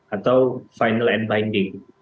atau final and binding